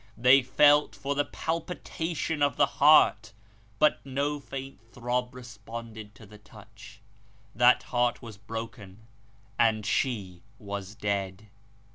They felt for the palpita tion of the heart, but no faint throb responded to the touch. That heart was broken, and she was dead